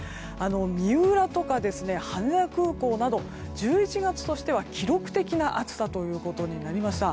三浦とか羽田空港など１１月としては記録的な暑さということになりました。